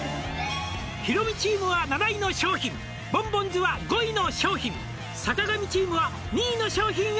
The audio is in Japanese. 「ヒロミチームは７位の商品」「ボンボンズは５位の商品」「坂上チームは２位の商品を」